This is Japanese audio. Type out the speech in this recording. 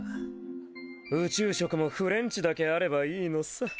宇宙食もフレンチだけあればいいのさ。